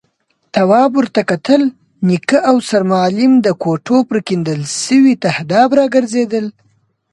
تواب ور وکتل، نيکه او سرمعلم د کوټو پر کېندل شوي تهداب راګرځېدل.